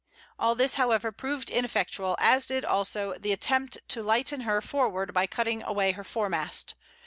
All this, however, proved ineffectual; as did also the attempt to lighten her forward by cutting away her foremast.